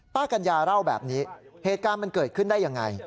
กัญญาเล่าแบบนี้เหตุการณ์มันเกิดขึ้นได้ยังไง